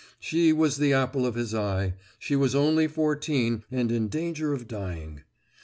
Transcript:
She was the apple of his eye; she was only fourteen and in danger of dying.